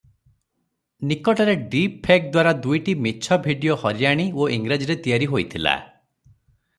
ନିକଟରେ "ଡିପଫେକ"ଦ୍ୱାରା ଦୁଇଟି ମିଛ ଭିଡ଼ିଓ ହରିୟାଣୀ ଓ ଇଂରାଜୀରେ ତିଆରି ହୋଇଥିଲା ।